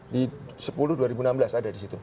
di sepuluh dua ribu enam belas ada di situ